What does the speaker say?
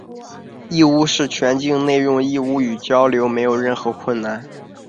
义乌市全境内用义乌话交流没有任何困难。